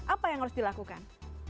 apa yang harus dilakukan